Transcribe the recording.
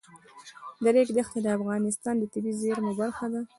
د ریګ دښتې د افغانستان د طبیعي زیرمو برخه ده.